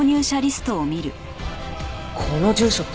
この住所って。